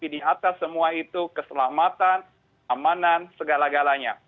di atas semua itu keselamatan amanan segala galanya